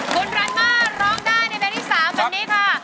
คุณรัฐมารร้องด้านในแวร์ที่๓วันนี้ค่ะ